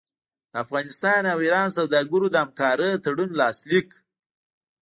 د افغانستان او ایران سوداګرو د همکارۍ تړون لاسلیک